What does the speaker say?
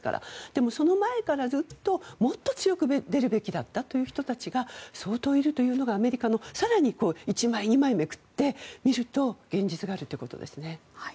でもその前から、ずっともっと強く出るべきだったという人たちが相当いるというのがアメリカの更に１枚、２枚めくってみると現実があるということですね。